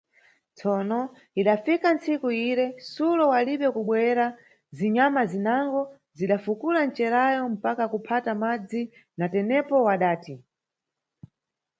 Tsono, idafika tsiku lire, Sulo walibe kubwera, zinyama zinango zida fukula ncerawo mpaka kuphata madzi, natepo wadati.